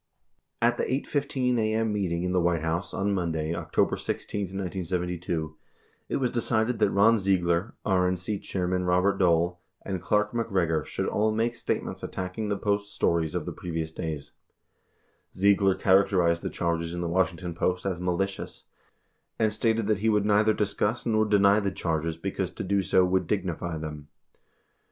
96 At the 8 :15 a.m. meeting in the White House, on Monday, October 16, 1972, it was decided that Ron Ziegler, RNC Chairman Robert Dole, and Clark MacGregor should all make statements attacking the Post's stories of the previous days, Ziegler characterized the charges in the Washington Post as "malicious," and stated that he would neither dis cuss nor deny the charges because to do so would "dignify" them.